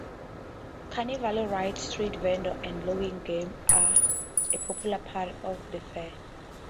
Carnival rides, street vendors and logging games are a popular part of the fair.